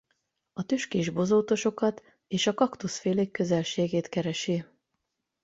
A tüskés bozótosokat és a kaktuszfélék közelségét keresi.